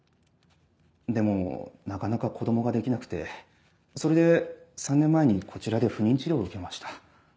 でもなかなか子供ができなくてそれで３年前にこちらで不妊治療を受けました。